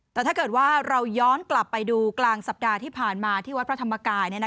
แต่ถ้าเกิดว่าเราย้อนกลับไปดูกลางสัปดาห์ที่ผ่านมาที่วัดพระธรรมกาย